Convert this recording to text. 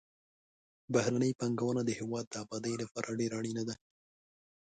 بهرنۍ پانګونه د هېواد د آبادۍ لپاره ډېره اړینه ده.